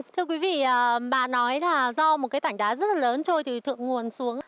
thưa quý vị bà nói là do một cái mảnh đá rất là lớn trôi từ thượng nguồn xuống